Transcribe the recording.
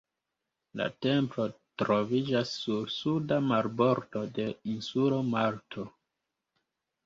La templo troviĝas sur suda marbordo de insulo Malto.